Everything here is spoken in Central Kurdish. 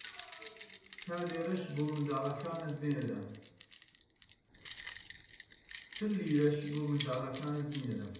چل لیرەش بۆ منداڵەکانت بنێرە!